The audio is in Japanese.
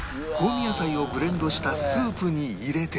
野菜をブレンドしたスープに入れて